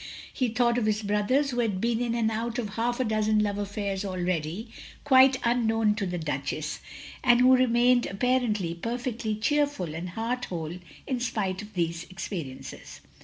He thought of his brothers, who had been in and out of half a dozen love affairs already, quite unknown to the Duchess, and who remained apparently perfectly cheerful and heart whole in spite of these experiences.